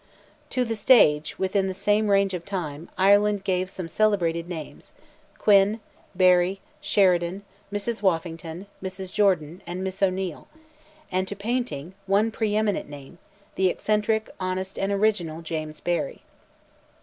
To the stage, within the same range of time, Ireland gave some celebrated names: Quinn, Barry, Sheridan, Mrs. Woffington, Mrs. Jordan, and Miss O'Neill; and to painting, one pre eminent name—the eccentric, honest, and original, James Barry.